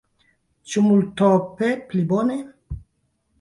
Ĉu multope pli bone?